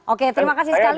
oke terima kasih sekali